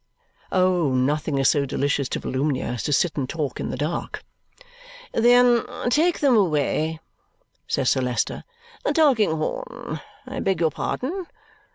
Oh! Nothing is so delicious to Volumnia as to sit and talk in the dark. "Then take them away," says Sir Leicester. "Tulkinghorn, I beg your pardon.